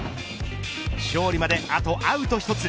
勝利まで、あとアウト１つ